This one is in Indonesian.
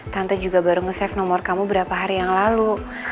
tante juga baru nge save nomor kamu berapa hari yang lalu